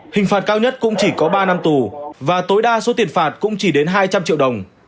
hình phạt cao nhất cũng chỉ có ba năm tù và tối đa số tiền phạt cũng chỉ đến hai trăm linh triệu đồng